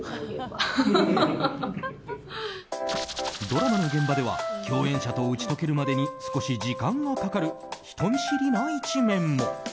ドラマの現場では共演者と打ち解けるまでに少し時間がかかる人見知りな一面も。